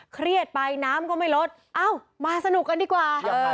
เครียดไปน้ำก็ไม่ลดเอ้ามาสนุกกันดีกว่า